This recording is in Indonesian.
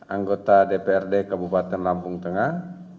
anggota dprd kabupaten lampung tengah